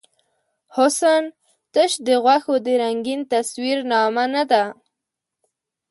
حسن تش د غوښو د رنګین تصویر نامه نۀ ده.